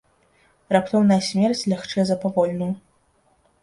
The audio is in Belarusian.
Раптоўная смерць лягчэй за павольную.